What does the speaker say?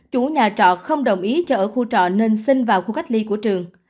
chủ nhà trọ không đồng ý cho ở khu trọ nên sinh vào khu cách ly của trường